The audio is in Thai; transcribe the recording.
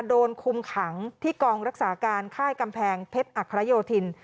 โดนคุมขังที่กองรักษาการค่ายกำแพงเพชรอัครโยธิน